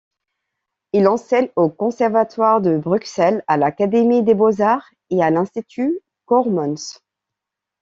Il enseigne au Conservatoire de Bruxelles, à l'Académie des Beaux-Arts et à l'Institut Cooremans.